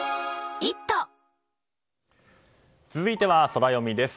続いてはソラよみです。